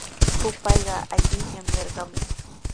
Rupayqa allaqllami yarqamun.